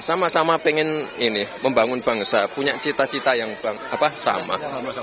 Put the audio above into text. sama sama pengen ini membangun bangsa punya cita cita yang sama